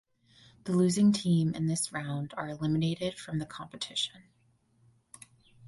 The losing team in this round are eliminated from the competition.